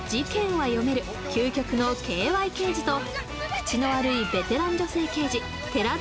究極のＫＹ刑事と口の悪いベテラン女性刑事寺田